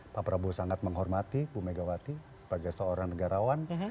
pak prabowo sangat menghormati bu megawati sebagai seorang negarawan